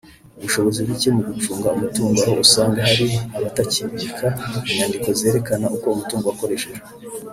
ubushobozi buke mu gucunga umutungo aho usanga hari abatabika inyandiko zerekana uko umutungo wakoreshejwe